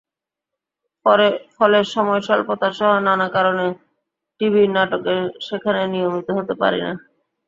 ফলে সময়স্বল্পতাসহ নানা কারণে টিভির নাটকে সেভাবে নিয়মিত হতে পারি না।